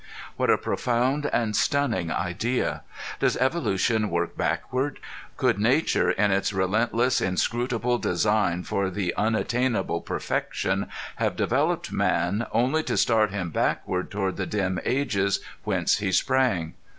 What a profound and stunning idea! Does evolution work backward? Could nature in its relentless inscrutable design for the unattainable perfection have developed man only to start him backward toward the dim ages whence he sprang?